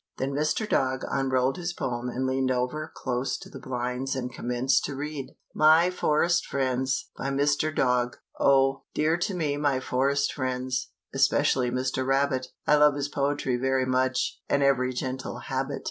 Then Mr. Dog unrolled his poem and leaned over close to the blinds and commenced to read. MY FOREST FRIENDS. BY MR. DOG. Oh, dear to me my forest friends, Especially Mr. Rabbit I love his poetry very much, And every gentle habit.